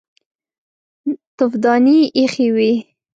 تفدانۍ ايښې وې.